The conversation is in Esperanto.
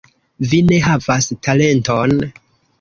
Vi ne havas talenton!